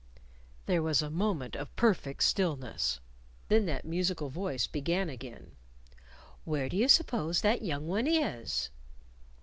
There was a moment of perfect stillness. Then that musical voice began again: "Where do you suppose that young one is?"